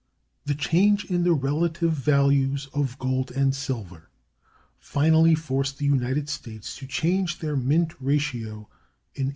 The change in the relative values of gold and silver finally forced the United States to change their mint ratio in 1834.